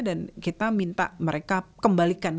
dan kita minta mereka kembalikan